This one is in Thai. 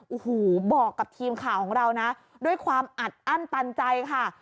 โอ้โหบอกกับทีมข่าวของเรานะด้วยความอัดอั้นตันใจค่ะ